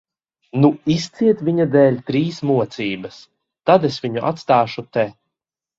Nu, izciet viņa dēļ trīs mocības, tad es viņu atstāšu te.